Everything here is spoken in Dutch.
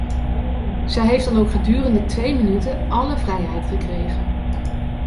Zij heeft dan ook gedurende twee minuten alle vrijheid gekregen.